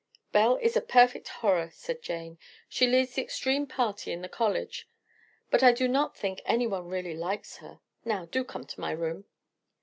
"Belle is a perfect horror," said Jane. "She leads the extreme party in the college; but I do not think anyone really likes her. Now, do come to my room."